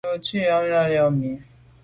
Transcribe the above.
Nu à tu àm la mi.